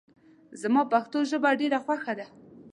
زما پښتو ژبه ډېره خوښه ده